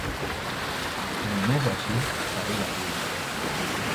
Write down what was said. Només així seria lliure.